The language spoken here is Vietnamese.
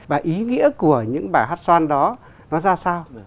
và ý nghĩa của những bài hát xoan đó nó ra sao